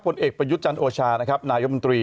ผลเอกประยุทธ์จันทร์โอชานะครับนายมนตรี